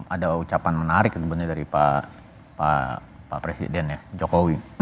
ada ucapan menarik sebenarnya dari pak presiden ya jokowi